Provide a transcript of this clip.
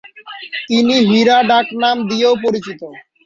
তিনি হিরা ডাক নাম দিয়েও পরিচিত।